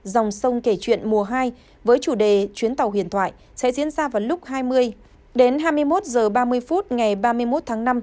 dòng sông kể chuyện mùa hai với chủ đề chuyến tàu huyền thoại sẽ diễn ra vào lúc hai mươi đến hai mươi một h ba mươi phút ngày ba mươi một tháng năm